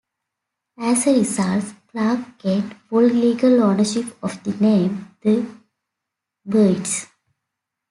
As a result, Clarke gained full legal ownership of the name the Byrds.